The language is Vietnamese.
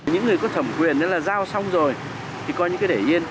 những người có thẩm quyền nên là giao xong rồi thì coi như cái để yên